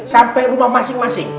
sampai rumah masing masing